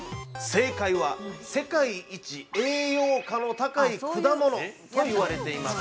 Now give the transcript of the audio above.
◆正解は、世界一栄養価の高い果物と言われています。